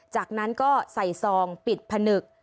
จากนั้นก็ใส่ซองปิดผนึก